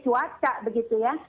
cuaca begitu ya